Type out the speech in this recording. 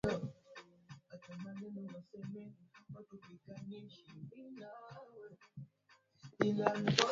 Ni vyema kupanda kwenye udongo wa tifutifu viazi lishe